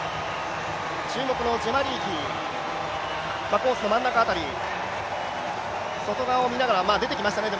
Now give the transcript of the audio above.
注目のジェマ・リーキー、コースの真ん中辺り外側を見ながら出てきましたね。